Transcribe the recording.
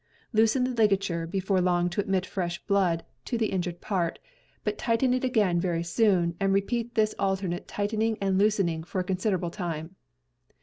Loosen the liga ture before long to admit fresh blood to the injured part, but tighten it again very soon, and repeat this alternate tightening and loosening for a considerable time.